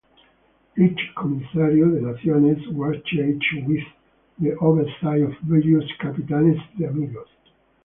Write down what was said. Each comisario de naciones was charged with the oversight of various capitanes de amigos.